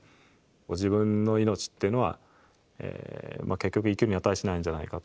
自分の命っていうのは結局生きるに値しないんじゃないかと。